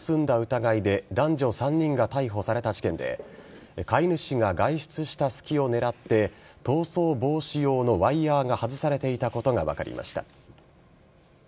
疑いで男女３人が逮捕された事件で飼い主が外出した隙を狙って逃走防止用のワイヤーが外されていたことが分かりました。